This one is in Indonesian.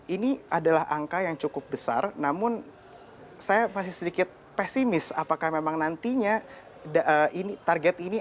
ini adalah angka yang cukup besar namun saya masih sedikit pesimis apakah memang nantinya target ini